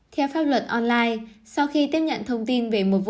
theo pháp luật online sau khi tiếp nhận thông tin về một vụ